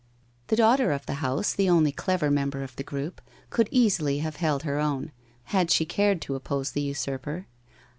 The daughter of the house, the only clever member of the group, could easily have held her own, had she cared to oppose the usurper.